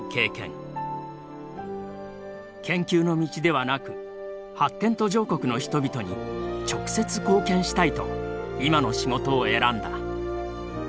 研究の道ではなく発展途上国の人々に直接貢献したいと今の仕事を選んだ。